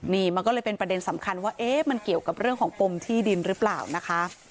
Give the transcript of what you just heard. นี่มันก็เลยเป็นประเด็นสำคัญว่าเอ๊ะมันเกี่ยวกับเรื่องของปมที่ดินหรือเปล่านะคะ